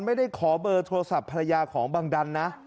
ไม่ได้ขอเบอร์โทรศัพท์ภรรยาของบังดันนะ